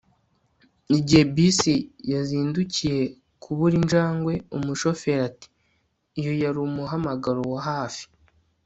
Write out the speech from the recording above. igihe bisi yazindukiye kubura injangwe, umushoferi ati iyo yari umuhamagaro wa hafi